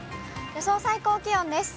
予想最高気温です。